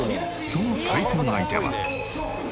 その対戦相手は。